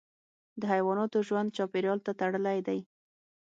د حیواناتو ژوند چاپیریال ته تړلی دی.